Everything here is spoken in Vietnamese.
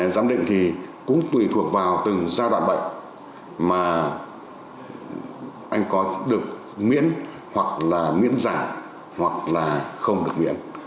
giám định thì cũng tùy thuộc vào từng giai đoạn bệnh mà anh có được miễn hoặc là miễn giảm hoặc là không được miễn